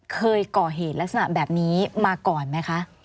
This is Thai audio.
เคยก่อเหตุลักษณะแบบนี้มาก่อนไหมคะ